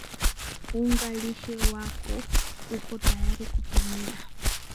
unga lishe wako uko tayari kutumia